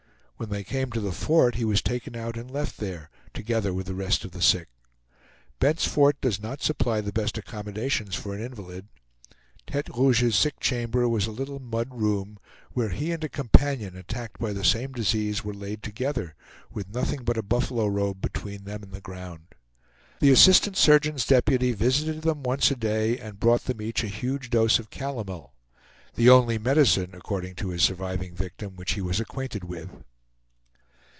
When they came to the fort he was taken out and left there, together with the rest of the sick. Bent's Fort does not supply the best accommodations for an invalid. Tete Rouge's sick chamber was a little mud room, where he and a companion attacked by the same disease were laid together, with nothing but a buffalo robe between them and the ground. The assistant surgeon's deputy visited them once a day and brought them each a huge dose of calomel, the only medicine, according to his surviving victim, which he was acquainted with.